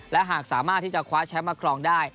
และหากสามารถที่จะคว้าแชมป์มาครองได้